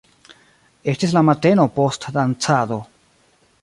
Estis la mateno post dancado.